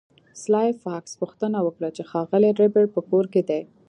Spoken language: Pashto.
سلای فاکس پوښتنه وکړه چې ښاغلی ربیټ په کور کې دی